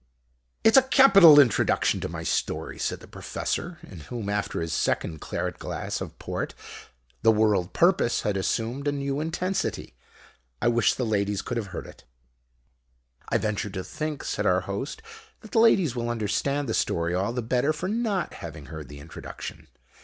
"It's a capital introduction to my story," said the Professor, in whom, after his second claret glass of port, The World Purpose had assumed a new intensity. "I wish the ladies could have heard it." "I venture to think," said our Host, "that the ladies will understand the story all the better for not having heard the introduction.